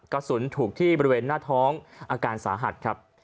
กระสุนถูกที่บริเวณหน้าท้องอาการสาหัสครับ